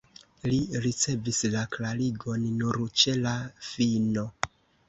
Li ricevis la klarigon nur ĉe la fino.